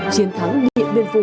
chiến thắng điện biên phủ